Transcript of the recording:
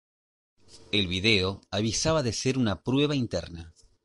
El video avisaba de ser una "prueba interna".